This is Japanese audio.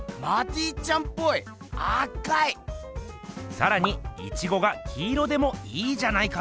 さらにイチゴが黄色でもいいじゃないかと。